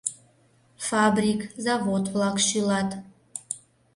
Фабрик, завод-влак шӱлат.